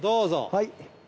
はい。